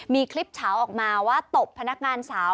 มีคลิปเฉาออกมาว่าตบพนักงานสาว